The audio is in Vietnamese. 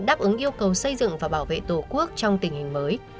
đáp ứng yêu cầu xây dựng và bảo vệ tổ quốc trong tình hình mới